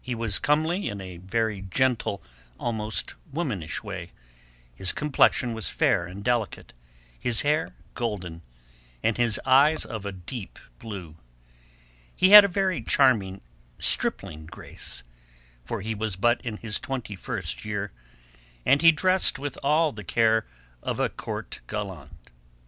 He was comely in a very gentle, almost womanish way; his complexion was fair and delicate, his hair golden, and his eyes of a deep blue. He had a very charming stripling grace—for he was but in his twenty first year—and he dressed with all the care of a Court gallant.